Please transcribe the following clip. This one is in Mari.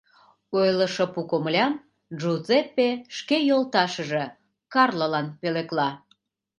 Ойлышо пу комылям Джузеппе шке йолташыже Карлолан пӧлекла